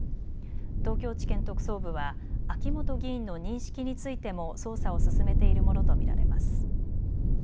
東京地検特捜部は秋本議員の認識についても捜査を進めているものと見られます。